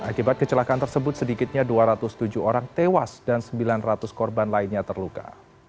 akibat kecelakaan tersebut sedikitnya dua ratus tujuh orang tewas dan sembilan ratus korban lainnya terluka